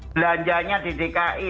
belanjanya di dki